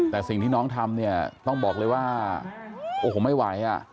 แต่สิ่งที่น้องทำเนี่ยต้องบอกเลยว่าโอ้โหไม่ไหวอ่ะ